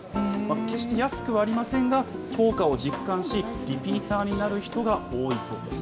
決して安くはありませんが、効果を実感し、リピーターになる人が多いそうです。